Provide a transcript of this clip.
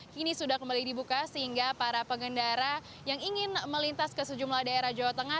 kini sudah kembali dibuka sehingga para pengendara yang ingin melintas ke sejumlah daerah jawa tengah